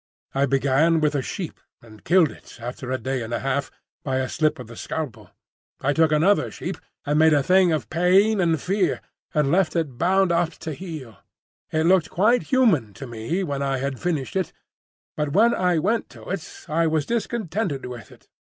I began with a sheep, and killed it after a day and a half by a slip of the scalpel. I took another sheep, and made a thing of pain and fear and left it bound up to heal. It looked quite human to me when I had finished it; but when I went to it I was discontented with it.